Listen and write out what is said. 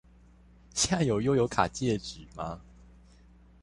現在有悠遊卡戒指嗎？